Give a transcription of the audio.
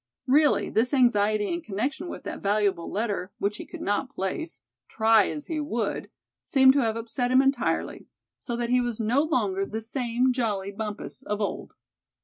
Really, this anxiety in connection with that valuable letter, which he could not place, try as he would, seemed to have upset him entirely, so that he was no longer the same jolly Bumpus of old.